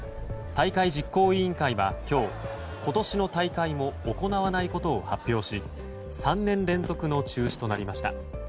大会実行委員会は今日今年の大会も行わないことを発表し３年連続の中止となりました。